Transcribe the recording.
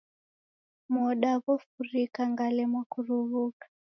Moda ghofurika ngalemwa kuruw'uka